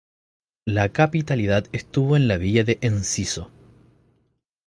La capitalidad estuvo en la villa de Enciso.